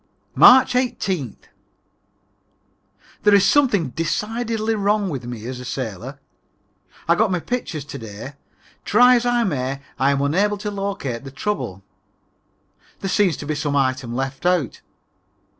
March 18th. There is something decidedly wrong with me as a sailor. I got my pictures to day. Try as I may, I am unable to locate the trouble. There seems to be some item left out.